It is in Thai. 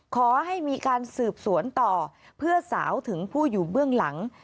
ขอให้มีการสืบสวนต่อเพื่อสาวถึงผู้อยู่เบื้องหลัง